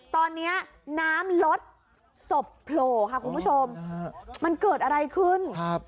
ตอนนี้น้ำลดศพโผล่ค่ะคุณผู้ชมมันเกิดอะไรขึ้นครับ